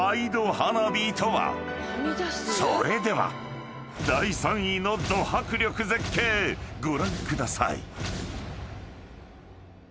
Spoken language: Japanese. ［それでは第３位のド迫力絶景ご覧ください］